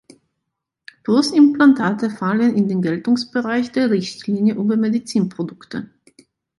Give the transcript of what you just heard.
Brustimplantate fallen in den Geltungsbereich der Richtlinie über Medizinprodukte.